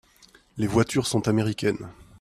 Les voitures sont américaines.